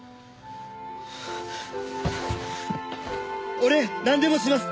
俺なんでもします！